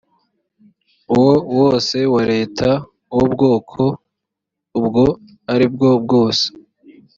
wo wose wa leta w ubwoko ubwo ari bwobwose